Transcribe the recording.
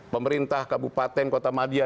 pemerintah kabupaten kota madya